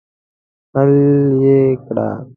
حل یې کړه.